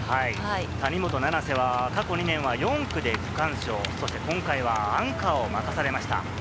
谷本七星は過去２年は４区で区間賞、今回はアンカーを任されました。